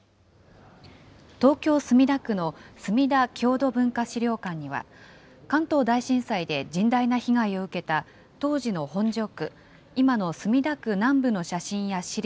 東京・墨田区のすみだ郷土文化資料館には、関東大震災で甚大な被害を受けた当時の本所区、今の墨田区南部の写真や資料